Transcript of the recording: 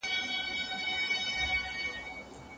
استاد د څېړني لپاره مناسب ماخذونه ښيي.